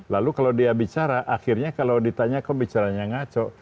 lalu kalau dia bicara akhirnya kalau ditanya kok bicaranya ngaco